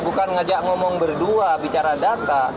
bukan ngajak ngomong berdua bicara data